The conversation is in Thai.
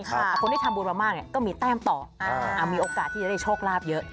คนที่ทำบุญมามากก็มีแต้มต่อมีโอกาสที่จะได้โชคลาภเยอะ